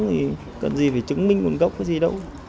thì cần gì phải chứng minh một gốc gì đâu